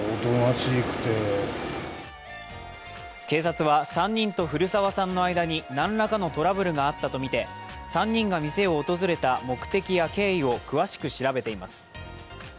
警察は３人と古澤さんの間になんらかのトラブルがあったとみて３人が店を訪れた目的や経緯を詳しく調べています。